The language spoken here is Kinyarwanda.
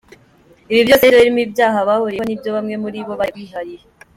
Ibi byose, nibyo birimo ibyaha bahuriyeho n’ibyo bamwe muri bo bagiye bihariye.